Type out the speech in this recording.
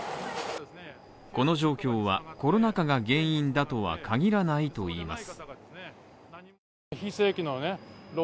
この状況は、コロナ禍が原因だとは限らないと言います。